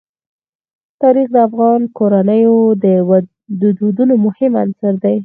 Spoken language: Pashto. تاریخ د افغان کورنیو د دودونو مهم عنصر دی.